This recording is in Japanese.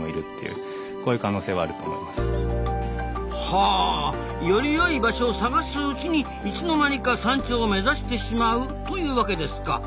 はあより良い場所を探すうちにいつの間にか山頂を目指してしまうというワケですか。